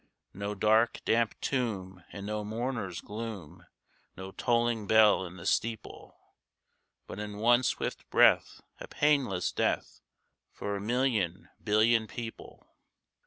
No dark, damp tomb and no mourner's gloom, No tolling bell in the steeple, But in one swift breath a painless death For a million billion people.